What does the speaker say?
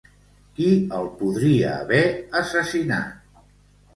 Qui el podria haver assassinat?